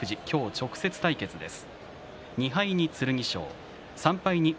今日直接対決です。